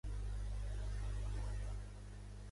Beure amb porró fa de senyor i ser molt català